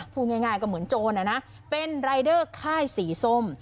พูดง่ายก็เหมือนโจรเป็นรายเดอร์ค่ายสีส้ม